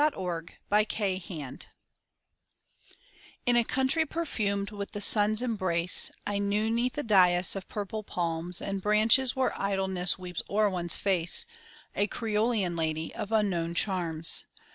To a Creolean Lady In a country perfumed with the sun's embrace, I knew 'neath a dais of purpled palms, And branches where idleness weeps o'er one's face, A Creolean lady of unknown charms.